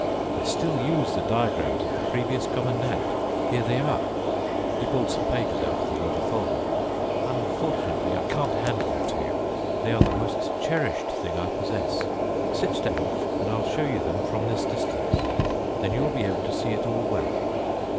I still use the diagrams of the previous Commandant. Here they are." He pulled some pages out of the leather folder. "Unfortunately I can't hand them to you. They are the most cherished thing I possess. Sit down, and I'll show you them from this distance. Then you'll be able to see it all well."